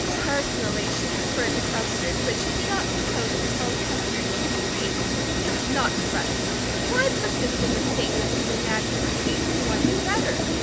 Personally, she preferred the custard, but she did not propose to call it custard cream. It was not correct. Why persist in misstatements and inaccuracies when one knew better?